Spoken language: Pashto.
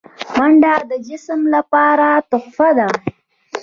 منډه د جسم لپاره تحفه ده